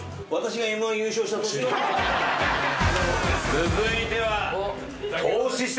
続いては。